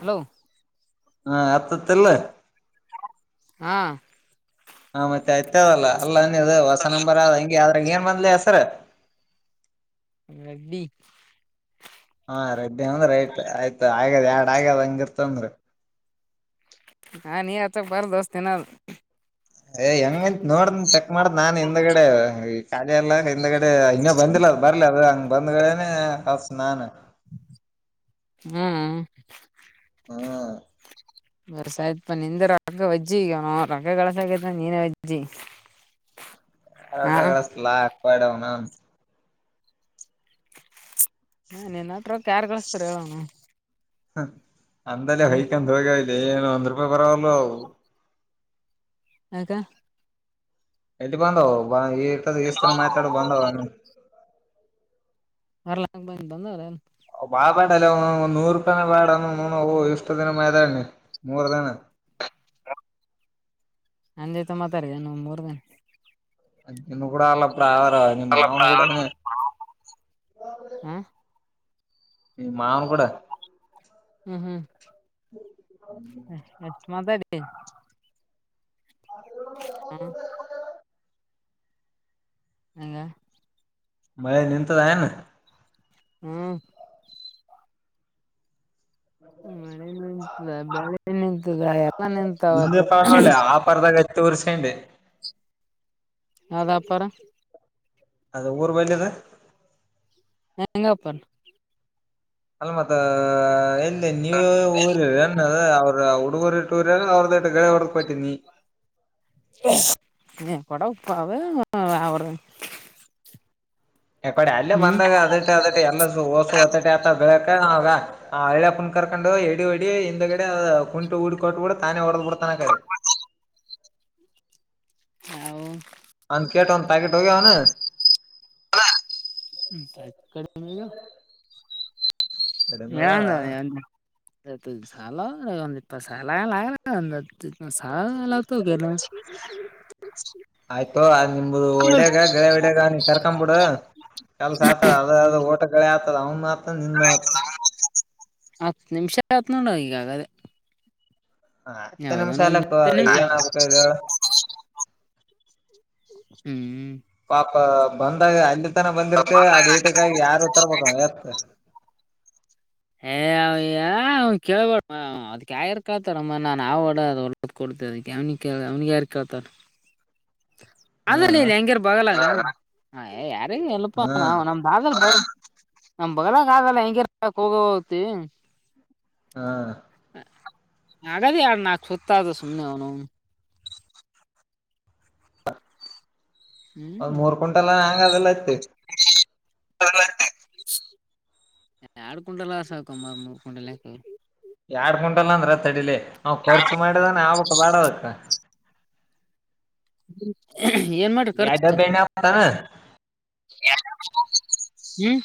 Hello ಹಾ ಅತ್ತತಿಲ್ಲ ಹಾ ಹ ಮತ್ತೆ ಐತವಲ್ಲ ಅಲ್ಲದು ಹೊಸ ನಂಬರ ಹಂಗೆ ಆದ್ರ ಏನ್ ಮಾಡ್ ಅಲ್ಲ ಹೆಸರ ರೆಡ್ಡಿ ಹಾ ರೆಡ್ಡಿ ಅಂದ್ರ ಆಯ್ತ ಆಯ್ತು ಆಗ್ಯದ್ ಎರಡ್ ಆಗ್ಯದ್ ಹಂಗಿರ್ತವಾ ಹಾ ಆತ ಬಾರ ದೋಸ್ತಿ ಏ ಹೆಂಗಂತ ನೋಡ ಚೆಕ್ ಮಾಡ್ದ್ ನಾನ್ ಹಿಂದ್ಗಡೆ ಈ ಖಾಲಿ ಎಲ್ಲ ಹಿಂದ್ಗಡೆ ಇನ್ನೊ ಬಂದಿಲ್ಲ ಬರ್ಲಿ ಅದು ಹಂಗ್ ಬಂದ್ರೇನೇ ಹಚ್ಚಿದೆ ನಾನು ಹ್ಮ್ ಹ್ಮ್ ಆಯ್ತಪ್ಪ ನಿಂದು ರಗ್ಗು ಅಜ್ಜಿ ರಕ್ಕ ಕಳಸ ನೀನ ಆಜ್ಜಿ [unintelligible] ಹಾ ನಿನ್ನತ್ರ ರೊಕ್ಕ ಯಾರ್ ಕಳಿಸ್ತಾರೆ ಹೇಳು ಅಂದಲ್ಲ ಹೈಕೊಂಡು ಹೋಗ್ಯ ಇಲಿ ಏನು ಒಂದ್ ರೂಪಾಯಿ ಬರಲ್ಲ ಅವು ಯಾಕ ಎತ್ಕೊಂಡು ಈ ಈಷ್ಟತರ ಮಾತಾಡ ಬಂದಾವ ಬರ್ಲ್ಯಾರ ಬಂದರೇನು ಆವ ಬಾಬೇಡ ಅಲ್ಲ ನೂರು ರೂಪಾಯಿನು ಬ್ಯಾಡ ಇಷ್ಟು ದಿನ ಮೂರ್ ದಿನ ನನ್ನ ಜೊತೆ ಮಾತಾಡಿದೆನೋ ಮೂರು ನಿನ್ನ ಕೂಡ ಅಲ್ಲಪ್ಲ ನಿಮ್ಮ ಮಾವನ ಕೂಡನೆ ಹ ಈ ಮಾವನ್ ಕೂಡ ಹ್ಮ್ ಹ್ಮ್ ಎಷ್ಟು ಮಾತಡಿ ಹ್ಮ ಹೆಂಗ ಮಳ ನಿಂತಯೇನು ಹ್ಮ್ ಮಳೆ ನಿಂತದೆ ಬೆಳೆ ನಿಂತದ ಎಲ್ಲ ನಿಂತಾವತ್ತು ಇಂದಪಲ್ಲರೆ ಆ ಪರದಕಾ ತೋರಿಸ್ಕೊಂಡಿ ಅದಪರ ಅದ ಊರು ಬಂದದ ಹೆಂಗಪ್ಪ ಅಲ್ ಮತ್ತ ಎಲ್ಲಿ ನೀವ ಊರಿಲ್ ಏನವ್ವ ಅವ್ರ [inaudible] ಹ ಕೂಡ ಉಪ್ಪಾಗ ಅವರು ಯಕಡೆ ಅಲ್ಲೇ ಬಂದಾಗ ಅದಟ ಅದ ಎಲ್ಲ ವಸು ಹೊದಟ ಆ ಬೆಳಕ್ ಆ ಹೇಳೆಯಪ್ಪನ ಕರ್ಕೊಂಡು ಎಡಿ ಹೊಡಿ ಹಿಂದಗಡೆ ಕುಂಟು ಊಡ್ ಕೊಟ್ಬಿಡು ತಾನೇ ಹೊಡೆದು ಬಟ್ಟು ಆಕಡೆ ಹೌ ಅಂತ ಕೇಟ ಒಂದು ಪ್ಯಾಕೆಟ್ ಹೋಗವಣ [unintelligible] ಕಡಿಮ್ಯಾಗ ಏನಂದ ಸಾಲ ಒಂದು ಇಪ್ಪತ್ತು ಸಾಲಲ್ಲ ಇನ್ನ ಒಂದು [inaudible] ಆಯ್ತು ಅ ನಿಮ್ದು ಒಡ್ಯಾಗ ಳೆ ಒಡ್ಯಾಗ ನೀ ಕರ್ಕೊ ಬಿಡ ಕೆಲ್ಸ ಆತದ ಅದ ಅದ ಹ್ಮ್ ಓಟ ಕಡೆ ಆಗ್ತದ ಅವನು ಆತ ನಿಂದ ಆತ ಹತ್ತು ನಿಮಿಷ ಹತ್ ನೋಡ ಈಗಾಗದೇ ಹ ಎತ್ತ ನಿಮಿಷಾಲಕ್ಕ ಅಳಗ ನಿಮಿಷ [unintelligible] ಹ್ಮ್ ಪಾಪ ಬಂದಾಗ ಅಲ್ಲಿ ತನ ಬಂದಿರ್ತೆ ಅದು ಈಟಕ್ಕಾಗಿ ಯಾರು ತರ್ಬೇಕ ಎತ್ ಏ ಅವಯ್ಯ ಅವ ಕೇಳ್ಬ ಅದ್ ಆಗರ್ ಕತಾರಮ್ಮ ನಾನ್ ಅವ ಡ ಒಳ್ಳದ ಕೊಡ್ ಅದ ಅವನಿಗೆ ಕ ಅವ್ನಿಗೆ ಯಾರು ಕೇಳ್ತಾರ ಅದ ಹಾ ನೀನ್ ಹೆಂಗ್ಯರ್ ಬಾಗಲ್ಲ ಏ ಯಾರಿಗ ಎಲ್ಪಾ ಹಾ ನಾವವು ನಮ್ಗ ನಮ್ ಬಲಾಗ ಆಗಲ್ಲ ಹೆಂಗ ಹೋಗತಿ ಹಾ ಅಗದ ಯಾರು ನಾಕ್ ಸತ್ತಾದ ಸುಮ್ಮ ಅವನು ಒಂದ್ ಹ್ಮ್ ಮೂರ್ ಕುವಿಂಟಲ್ ಹಂಗ ಅದೆಲ್ಲಐತಿ ಎರಡು ಕ್ವಿಂಟಲ್ಕಂಬಾರ ಮೂರು ಕ್ಂಟಲ್ಕ ಎರಡ್ ಕುಂಟಲ್ ಅಂದ್ರ ತಡಿಲಿ ಅವ ಖರ್ಚು ಮಾಡಿದಾನ ಆಬಿಟ್ಟ ಬಾಡದಕ್ ಏನ್ ಮಾಡ್ರಿ ಎರಡ್ ಕರ್ಚ್ ಡಬ್ಬಿ ಎಣ್ಣೆ ಆತಾನ ಹ್ಮ್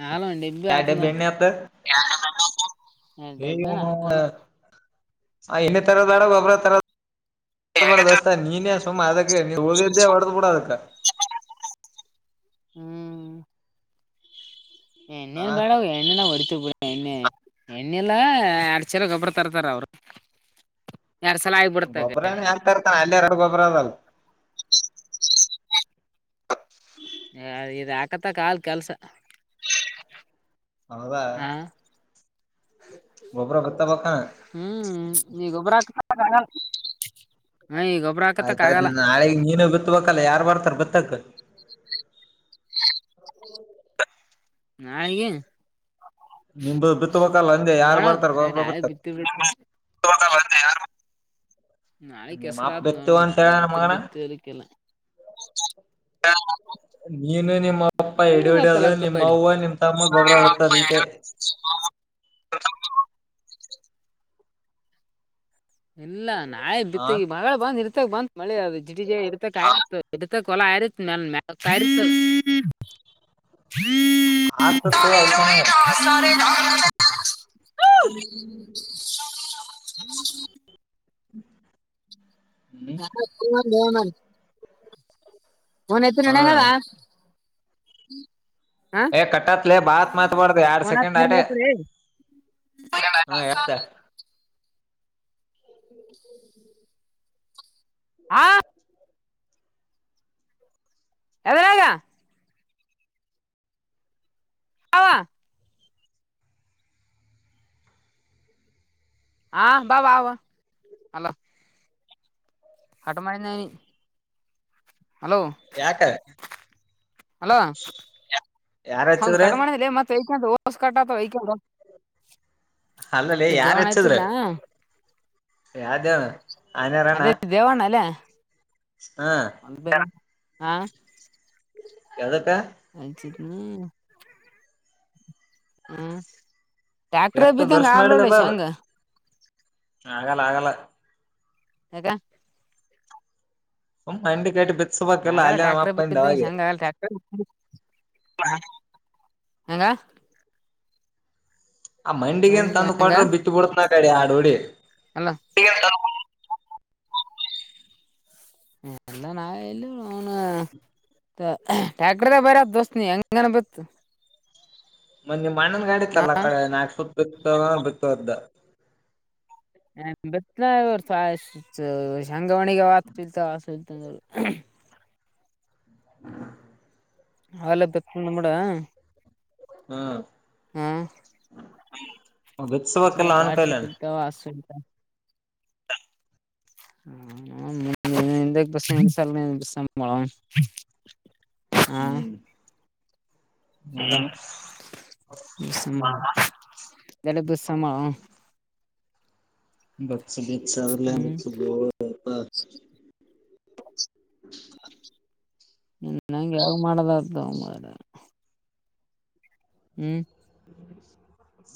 ನಾಲ ಡಬ್ಬಿ ಎರಡ್ ಆತದ ಎಣ್ಣೆ ಆತ ಡಬ್ಬೆ ನಾತಗಲ್ಲ ಹಂ ಇ ತರದ ಬಡೋ ಗೊಬರ ತರ ದಸ್ತ ನೀ ಸಮ ನೀ ಉದ ಎಂತ ವರ್ದು ಕೂಡದಕ್ಕ ಹ್ಮ್ ಹಾ ನ್ನೇನ್ ಬಡ ಎಣ್ಣ ಹೊರ್ತ ಬಿಡಿ ಎಣ್ಣ ಎಣ್ಣೆಲ್ಲ ಎಡ್ಚರ ಗೊಬ್ಬರ ತರ್ತಾರ ಅವರು ಗೊಬ್ರನ ಹೆಂತ ತ ಇರ್ತಾನ ಅಲ್ಲಿ ಎರಡು ಗೊಬ್ ಅದು ಹ ಇ ಆಕತ್ತಕ ಹಲ್ ಕೆಲ್ಸ ಹೌದಾ ಹಾ ಗೊಬ್ರ ಬತ್ತಬಕ್ಕ ಈಗೊಬರ ಹಕ್ತ ಆಯ್ತಾಯಯ್ತ ನಾಳೆಗ್ ನೀನು ಬಿತ್ಬೇಕಲ್ಲ ಯಾರ್ು ಬರ್ತಾರ ಬಿತ್ತಕ್ ನಾಗ ನಿಮ್ದು [unintelligible] ಬಿತ್ತಬೇಕಲ್ಲ ಅಂದೆ ಯಾರ್ ನೋಡಮ ಬರ್ತಾರ ಅ ಗೊಬ್ಬ್ರ ನಾಳ ಬಿತ್ತಕ್ ಬಿತ ಬಿ ಬ ಯಾರು [unintelligible] ನಾಳೆ ನಿಮ್ ಅಪ್ಪ ಕೆಸರಾತ್ ನೋ ಬಿತ್ತುವ ಅಂತ ನಾಳೆ ಹೇಳ ಬಿತ್ತರು ಮಗನ ಬಿತ್ತರ್ಕ್ಕೆಲ್ಲ ಹಾ [unintelligible] ನೀನು ನಿಮ್ಮ ಅಪ್ಪ ಹಿಡ ಗೊತ್ತಲ್ಲ ಹಡದು ನಿಮ್ಮ ಕೋಡಿ ಅವ ನಿಮ್ ತಮ್ಮ ಗೊಬರ ಬರ್ತದ ಈಟೆ ಹ ಇಲ್ಲ ನಾಳೆ ಹ ಬಿತ್ತ ಈ ಬಳ ಬಂದ್ ಇರ್ತ ಇ ಬಂತತ್ ಮಳಿ ಅ ಜಿಡಿ ಜ ಇತ ಆತ ಇತಲ ಆತ್ ಮತ [inaudible] ಆಡ್ತತ್ತು ಅದಕ ಏನಾಗ ಹ್ಮ್ ಹ್ಮ್ ಹ್ಮ್ ಹ್ಮ್ [inaudible] [inaudible] ಫೋನ್ ಹೆತಿಲ ಹಾ ಅವ ಹಾ ಏ ಕಟ್ಟತ್ಲೆ ಬಾತ್ ಮಾತ್ಬಾರ್ದು ಎರಡ್ ಫೋನ್ ಸೆಕೆಂಡ್ ಅಚ್ಚ ಆಟೆ [unintelligible] ಹಾ ಹ ಎತ್ತ [unintelligible] ಹಾ ಎಂದರಗ ಹಾ ಹಾ ಬ ಹಲೋ ಕಟ ಮಾಡಿಂದ ಯಾಕ ಅಲೋ ಯಾರ್ ಹೌದು ಹಚ್ಚಿದ್ರ ಕಟಮಾಡಿದಲೇ ಮತ್ತೆ ಕ ಶ ಕಟ್ಟಾತ ಕ ಅಲ್ಲಲ್ಲಿ ಯಾರ್ ಹೆಚ್ಚದ್ರ ಯ್ದೇ ಅದೇ ದೇವಣ್ಣ ಅಲ್ಲ ಹಾ ಹಾ ಯದ ಆಯಚನ ಹ್ಮ್ ಟ್ಯಾಕ್ಟ್ರ ಎತ್ತ ಬಿದ್ದಂಗ ಬೆರ್ಸ್ ಹಲ್ ಮಾಡಿದ ಒಳ್ಳ ಬಾಬ ಹಂಗ ಆಗಲ್ಲ ಆಗಲ್ಲ ಹಗ ಹ ಅಂಡಿ ಕಟ್ಟಿ ಬಿ ಹಾಗಲ್ಲ ಟ್ರ್ಯಾಕ್ಟರ್ ಬಿಂಗ ಹೆಂಗ ಆಗಲ್ಲ್ಯಾಕ್ಟರ್ ಹಂಗ ಆ ಮಂಡಿಗನ್ ತಂದು ಹೆಂಗ ಕೊಟರು ಬಿತ್ತ ಬಿಡ್ತ್ನ ಕಡೆ ಆಡೋಡಿ ಅಲ್ಲ ಹ್ಮ ಎಲ್ಲ ನಾವ ಎಲ್ಲಿ ಅವನು ಟ್ಯಾಕ್ರದ ಬರದ ದೋಸ್ತ್ ನೀ ಹೆಂಗನ ಬತ್ತು ಮ ನಿ ಮಣ್ಣನ್ ಗಾಡಿತ್ತಲ್ಲ ಕಡೆ ನಾ ಸತ್ ಬಿತ ಬಿತವದ್ದ ನ ಬತ್ನಾ ಶಂಗಾವಣಿಗೆ ವತ ಚಲ್ತತಲ್ತಂದರು ಅವಲ್ಲ ಬತ್ತ ನಮಡ ಹ್ಮ್ ವಿಸವಕಲ್ಲ ಅನ್ ಕಾಯಲ್ಲಾನ ಹ ಎ ಪ್ರಶಳ [unintelligible] ಹ್ಮ್ ಹ್ಮ ಅಲ್ಲುಮ್ಮ ಎಡು ದಸಮ ಬಕ್ಸ ಬ ಸಲ್ಲ ಹ್ಮ್ ಬ [inaudible] [inaudible] ಇ ನಂಗೆ ಯಾವ ಮಾಡದತ್ರ ಹ್ಮ್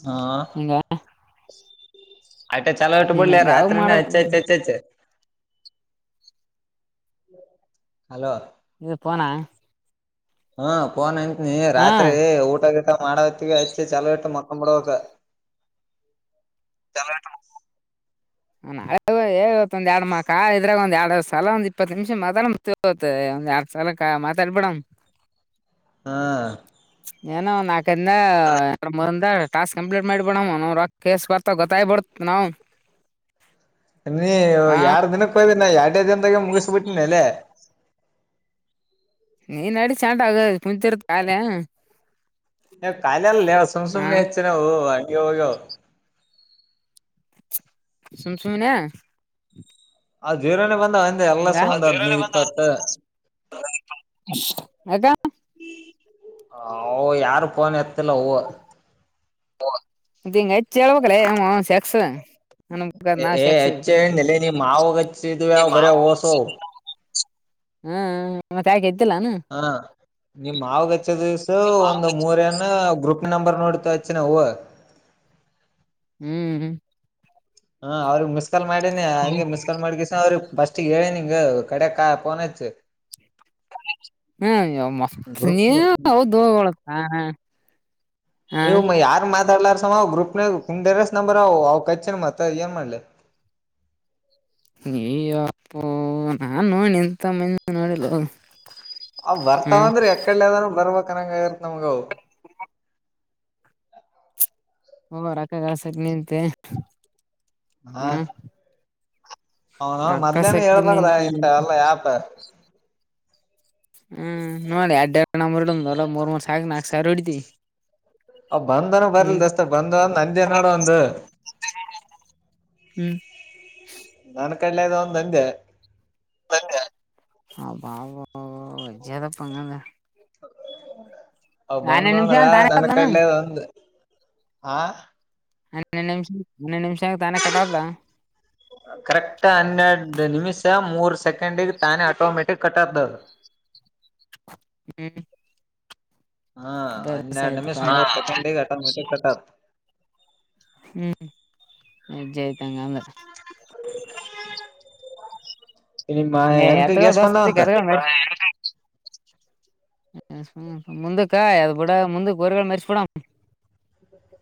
ಹಾ ಹಂಗ ಆಯಟ ಚಲೋ ಇಟ್ಟು ನೀನ್ ಬಿಡ್ಲಿ ಯಾವ್ ರಾತ್ರಿನೂ ಮಾಡದ ಹೆಚ್ಚಯ ಹೆಚ್ಚಾಯತಿ ಹಲೋ ಇದು ಪನ ಹಾ ಪೋನ್ ಇಂತನ ರಾತ್ರಿ ಊಟ ಮಾಡವತ್ತ ಆಚ್ಚು ಚಲವಿಟ್ಟು ಮೊತ್ತಂಬಡುವಕ್ಕ [inaudible] ಇ ಒಂದ ಎರಡು ಮಾ ಕಾ ಇದ್ರಾಗ ಒಂದ ಎರಡು ಸಲ ಒಂದ್ ಇಪ್ಪತ್ತು ನಿಮಿಷ ಮ ಒಂದ ಎರಡ್ ಸಲ ಮ [unintelligible] ಸಲ್ಪಳಮ [unintelligible] ಹಾ ಏನೋ ನಾಲ್ಕರಿಂದಾರಂದ ಟಾಸ್ಕ್ ಕಂಪ್ಲೀಟ್ ಮಾಡಿಬೇಡಮ್ ಕೇಸ್ ಬರ್ತ ಗೊತ್ತ ಕಾಯ್ ಬಡತ್ ನಾವು ನೀ ಯಾರ್ ದಿನಕ್ಕೆ ಹೋಗ್ಬ ಎರಡು ದಿನ ಮುಗಸ ಬಿಟ್ಟನಲ್ಲ ನೀನ್ ನಡಿ ಚಂಟ ಆಗ ಕುಂತಿರದ ಕಾಲೆ ಕಲ ಅಲ್ಲ ಹಾ ಸುಮಸುಮ್ನೆ ಹೆಚ್ಚನ ಓ ಅಡ ಹೋಗೋ ಸುಮ್ ಸುಮ್ನೆ ಅ [unintelligible] ಜೇರಾನೆ ಬಂದ [unintelligible] ಹಂಗ [unintelligible] ಅದ [unintelligible] [unintelligible] ಯಾರು ಫೋನ್ ಎತ್ತಲ್ಲ ಹೂ [unintelligible] [unintelligible] ಸೆಕ್ಸ್ ಅನ್ಬೇಕ [unintelligible] ನಾವ್ ಸೆಕ್ಸ್ ಹೆಚ್ಚ ನೆಲೆ ನೀ ಮಾವ ಗಚ್ಚಿದ ಯ ಬರ ಓಸೋ ಹ್ಮ ಹೂ ಮತ್ತೆ ಯಾಕೆ್ದ [unintelligible] ಹ ನಿಮ್ಮ್ ಮಾವಗಚ್ಚ ದಿವ್ಸ ಒಂದು್ ಮೂರ ನ ಗ್ರೂಪ್ [unintelligible] ನಂಬರ್ನ ಎಡ್ತ ಅಚ್ಚನ ನಾವು [unintelligible] ಹ್ಮ್ ಹ್ಮ ಹ ಅವ್ರಗ್ ಮಿಸ್ ಕಾಲ್ ಮಾಡೇನೆ ಹಂಗೆ ಮಿಸ್ ಕಾಲ್ ಮಾಡಗಿಸ ಅವ್ರಿಗೆ [unintelligible] ಫಸ್ಟ್ಗ ಹೇಳಿ ನಿಂಗ ಕಡೆಕ ಫೋನ್ ಹಚ್ಚು ಹ್ಮ ಗ್ರೂಪ್ [unintelligible] [unintelligible] [unintelligible] ಯಾರ್ ಮಾತು [unintelligible] ಲಾರ ಸಮ ಅವ ಗ್ರೂಪ್ನ ಕು [unintelligible] ಸ್ ನಂಬರ್ ಅವ ಅವ್ ಕಚ್ಚಿನ ಮತ್ತತ್ ಏನ್ ಮಾಡ್ಲಿ [inaudible] ನೀಯ್ಯ ಅಪ್ಪೋ ನಾನ್ ನೋಡಿ ಎಂತ ಮಂದ ನೋಡಿಲ್ [unintelligible] ಆ ಬರ್ತಾವಂದ್ರ ಯ ಕಡ್ ಅದ್ರೂ ಬರ್ಬಕ್ನಂಗ ಇರ್ತ್ ನಮಗ [unintelligible] ಹಓ ರಕ್ಕ ಕಸಕ್ [unintelligible] ನಿಂತೆ ಹಾ ಅವನು ಮೊದ್ಲೇನ ರಗಾಸಗ ಹೇಳ್ಬಾರ್ದ ಇಂತ ಎಲ್ಲ [unintelligible] ಯಾಪ ಹ್ಮ್ ನೋಳಿ ಅಡ್ ಎರಡು ನಂಬರ್ ಇಲ್ಲ ಮರ್ ಮೂರ್ಕ ನಾಕು ಸಾವ ಹೊಡತಿ [unintelligible] ಅವ ಬಂದನ ಬರ್ಲಸ್ತ ಬಂದ ಒಂದ ಅಂಜೆ ನೋಡು ಒಂದು [unintelligible] ಹ್ಮ್ [unintelligible] ಲ್ಲ ತೋಂದಂದ [unintelligible] ಹ [unintelligible] ಬಾಬಜದಪ್ಪ ಅಂಗ [unintelligible] ಲ್ಲ [inaudible] ಅವ ಬಂದ್ ನಿಮಿಷ ಬಂದ್ರ ತಾನೇ ನನ್ ಆತನ ಕಡ್ಲೆ ಒಂದು ಹ ಹ ನಿಮಿಷ ಹಣ [unintelligible] ನಿಮಿಷ ತಾನೇ ಕಟ್ಟಾದ ಕರೆಕ್ಟ್ ಹನ್ನೆರಡು ನಿಮಿಷ ಮೂರ್ ಸೆಕೆಂಡಗ್ ತಾನೇ ಆಟೋಮೆಟಿಕ್ ಕಟ್ದದ ಹ್ಮ್ [inaudible] ಹಾ ಬೇರೆ ಹನ್ನೆರಡು ಆಯ್ತು ನಿಮಿ ಪಾಡಿ ಮೂರು ಸೆಕೆಂಡ ಕೆಟ್ಟ ಕೆಟ್ಟ [unintelligible] ಹ್ಮ್ ನಿಜ್ಜೆಾಯ್ತಂಗ ಅಂದ್ರ [unintelligible] ನಿಮ್ಮ ಹ ಯತಗ ಎಂಕಗ್ ಎಸ್ ಬಸ್ತಿ [unintelligible] ಬಂದಾವಂತ [unintelligible] [inaudible]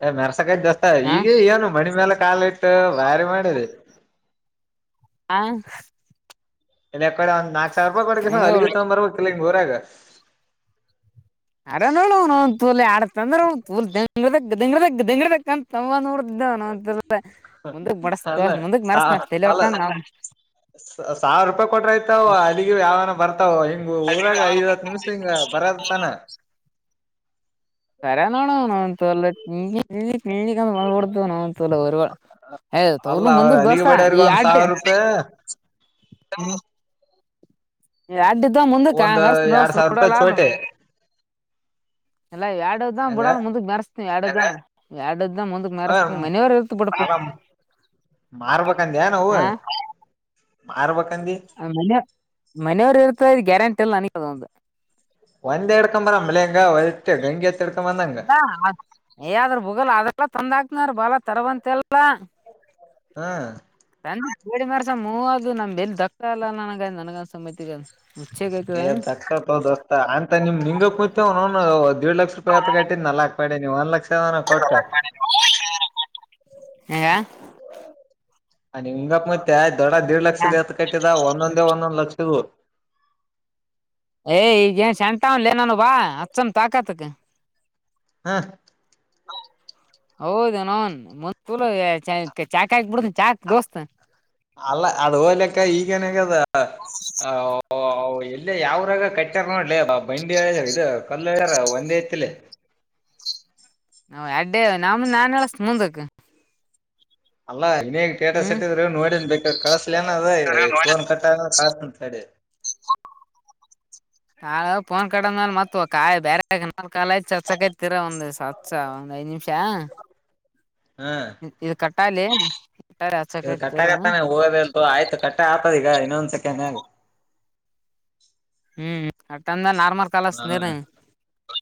ಏ ಮೆರ್ಸಕೈ ಜಸ್ತ ಈಗ ಏನು ಮಣಿ ಮೇಾಲ ಕಾಲ ಇಟ್ಟು ವಾರಿ ಮಾಡಿದೆ ಹಾ ಇನ್ ಯಕಡೆ ಒಂದ ನಾಕಕ್ ಸಾವರ ರೂಪಾಯಿ ಕೊಡಕ ಹೆಂಗ ಅಲ್ಲಿಗ ತಗೊ್ ಬರ್ಬಬೇಕ ಕಲ್ಲ ಹಂಗ ಊರಾಗ ಅಡ, ನೋಡ ತೂಲ್ ಆಡತ ಅಂದ್ರ ತೂಲ್ ದೆಂಗಿದಕ್ಕೂ, ದಿಂಗ, ದಿಂಗದಂತ, ತವ ನೋಡು. [inaudible] ಇದ್ದನು, ಅಂತ, ಮುಂದಕ್, ಬಡಸ್, ಅಲ್ಲ ಮುಂದಕ್ ಅಲ್ಲ ಮರ್ಸ್ನಳವಕಂದ, ನಾ. [inaudible] ಸಾವಿರ, ರೂಪಾಯಿ, ಕೊಟ್ರ ಆಯತಾವ ಅಲ್ಲಿಗ ಯಾವನ ಬರ್ತಾವು, ಹಿಂಗ್ ಊರಾಗ ಐವತ್ತು, ನಿಮಿಷ, ಹಿಂಗ, ಬ. [inaudible] ಬರುದಾಹುತನೆ. [inaudible] ಸರ ನೋಡೋ ನನ್ ತೂಲ್ಲ ತಿ [unintelligible] ತಿ ಮಾಡಳಬಡ್ತ ನೋನ್ ತೂಲ್ಲ [unintelligible] ಯ ಅಲ್ಲ ತೋರ್ನು ಅವ್ರ ಮುಂದಕ್ ಅಲ್ಲಿಗೆ ದೋಸಾ ಬಡಿಯವ್ರಗ ಈ ಒಂದ್ ಯಡ್ ಸಾವಿರ ರೂಪಾಯಿ [unintelligible] ಅಡ್ ತ ಮುಂದಕ್ಕ ಒಂದ್ ಮಸ್ ನಸ್ ಎರಡ್ ಸಾವಿರ ಕಡ ರೂಪಾಯಿ ಲದು ಚೋಟಿ [unintelligible] ಎಲ್ಲ ಎರಡ ಹಂಗ ಬಿಡ ಮುಂದ ಮೆರೆಸ್ತನಿ ಎರಡ ಎ [unintelligible] ಇ ಮುಂದಕ್ ಮರೆಸ್ ಮನೆಯವರ್ ಇರ್ತ ಬಿಡಪು ಅಲ್ಲ ಮಾರ್ಬೇಕಂದ್ಯಾ ನಾವು ಮಾರ್ಬೇಕ [unintelligible] ಮನ ಮನೆಯವರು ಇರ್ತ ಇದ ಗ್ಯಾರಂಟಿ ಎಲ್ಲ ನನದ ಒಂದು ಒಂದೆ ಎಡ್ಕೊಂಬರ ಮಳಂಗ ಒ ಗಂಗೆಿ [unintelligible] [unintelligible] ಏ ಆದ್ರ ಭೂಗಲ್ ಅದೆಲ್ಲ ತಂದ ಹಾಕ್ನಾರ ಬಾಳ ತರವಂತೆಲ್ಲ ಹಾ ಬಂದು, ಪೂಜ್ಜೆಮ್ಯಾಡುಸು, ಮೂವದು ನಮ್ ದಸರಾಲ್ಲಾ, ನನ, ನನ್ಗ, ಸಮಿತಿಗಾ.. [inaudible] ಹೇ, ದೋಸ್ತಪ, ದೋಸ್ತ, ಆಂಟೋನಿ, ನಿನಗೂ, ನಿಮ್ ನಿಂಗ, ಕುಂತು, ಡಿವು, ಲಕ್ಷ ರೂಪಾಯಿ, ಆತ ಕಟ್ಟಿದನಲ್ಲ. [inaudible] ಪಡೆ, ನೀವು, ಒನ್, ಲಕ್ಷ. ರೂಪಾಯಿ. [inaudible] ಹಂಗ. [unintelligible] ಅ, ನೀ ಹಿಂಗಪ್ ಮತ್ತೆ ದೊಡ, ದಿಡ್ಡು, ಲಕ್ಷದದೆತ್ಕಟ್ಟಿದ, ಒಂದೊಂದೇ ಒಂದೊಂದ್, ಲಕ್ಷ. [inaudible] ಹಕ್ಕಿಗಳು. [inaudible] ಏ, ಈಗ ಏನು ಶೆಂತಾವಲ್ಲೇ, ನಾನು, ಬಾ ಅಚ್ಚನ್, ತಾಕತಕು. [inaudible] ಹಾ. [unintelligible] ಹೌದುಯೇನೋ ಮತ್ತುತುಳು, ಚಕ್ಕುಆಕಿಬುತೀನಿ, ಚಾಕ್, ದೋಸ್ತ್. [inaudible] ಅಲ್ಲ, ಅದುಲೆಕ್ಕ ಈಗೇನು, ಆಗದೇ. ಹಾ.. [inaudible] ಓ, ಎಲ್ಲೇ, ಯಾವ್ರಾಗ, ಕಟ್ಟ್ಯಾರ, ನೋಡಲೇ, ಬಂಡಿ ಇದು, ಕಾಲುಹೇಳರಾ, ಒಂದೇ ಇತಿಲಿ. [inaudible] ನಾ, ಅಡ್ಗೆ, ನಮ ನಾನ್ ಹೇಳಸ್ ಮುಂದಕ್. [unintelligible] ಅಲ್ಲ. [inaudible] ಇನಗ್, ಸ್ಟೇಟಸ್, ಹ್ಮ್ ನೋಡನ್, ಬೇಕಾದರೆ, ಕಾಸ್ಲಿ ಏನು, ಅದು, ನೋಡಿ ಫೋನ್, ಕಟ್ಟಾಗಿ, ಕಲ್ಷುತ್ಹಿನಿ, ತಹ್ಡೀ. [inaudible] ನಾ, ಪೋನ್, ಕಡ್ಮೇಲೆ, ಮತ್ ಕ ಬೇರೆ ಕಾಲ ಆಐತ್, ಚಚ್ಕೈತಿರ, ಒಂದುಸಸ, ಒ. [inaudible] ಐದು ನಿಮಿಷ. [unintelligible] ಹಾ ಇದು, ಕ್ಟುಗಳಲೈ. [inaudible] ಇದು, ಕಟ್ಟ ಆತಾನೆ, ಹೋಗೋದಿಲ್ಲ, ತಕ್ಕೋ, ಆಯ್ತು ಕಟ್ಟೆ ಆಗ್ತದ, ಈಗ? [inaudible] ಇನ್ನು, ಒಂದು, ಸೆಕೆಂಡ್ಹಾ? [unintelligible] ಹ್ಮ್, ಅಟಂದ, ನಾರ್ಮಲ್, ಕಲ್ಷುತೀನಿ, ಇರು. [inaudible]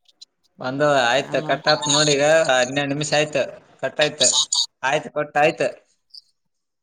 ಬಂದು, ಆಯ್ತು ಕಟ್ತ್ ನೋಡೂ? ಈಗ ಹನ್ನೆರಡು ನಿಮಿಷ ಆಯ್ತು, ಕಟ್ಯ್ತು. [inaudible] ಆಯ್ತು, ಕಟಾಯಿತು. [inaudible]